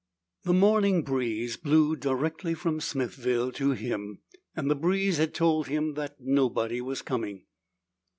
The morning breeze blew directly from Smithville to him, and the breeze had told him that nobody was coming.